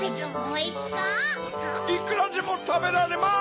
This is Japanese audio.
いくらでもたべられます！